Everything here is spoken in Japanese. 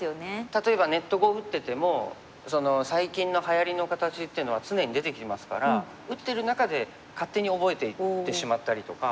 例えばネット碁打ってても最近のはやりの形っていうのは常に出てきますから打ってる中で勝手に覚えていってしまったりとか。